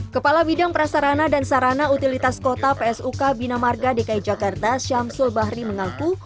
kepala bidang prasarana dan sarana utilitas kota psuk bina marga dki jakarta syamsul bahri mengaku